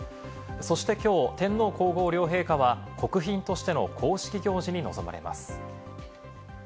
そしてきょう、天皇皇后両陛下は国賓としての公式行事に臨まれます。